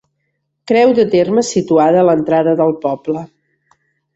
Creu de terme situada a l'entrada del poble.